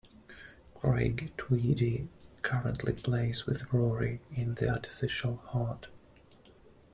Craig Tweedy currently plays with Rory in The Artificial Heart.